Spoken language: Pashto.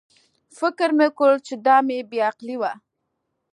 فکر مې وکړ چې دا مې بې عقلي وه.